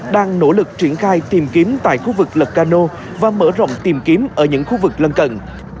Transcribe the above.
đang nỗ lực triển khai tìm kiếm tại khu vực lật cano và mở rộng tìm kiếm ở những khu vực lân cận